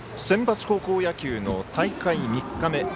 センバツ高校野球の大会３日目。